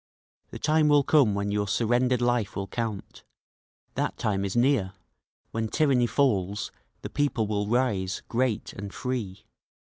The time will come when your surrendered life will count That time is near; when tyranny falls the people will rise, great and free!